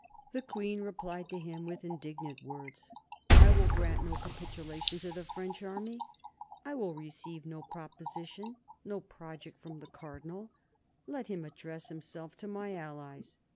The queen replied to him with indignant words :" I will grant no capitulation to the French army. I will receive no proposition, no project from the cardinal. Let him address himself to my allies.